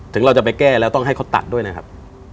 ถึงเราจะไปแก้แล้วต้องให้เขาตัดด้วยนะครับ